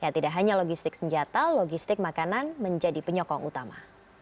tidak hanya logistik senjata logistik makanan menjadi penyokong utama